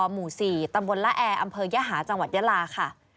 หมู่๔ตำบลละแอร์อำเภอยหาจังหวัดยาลาค่ะ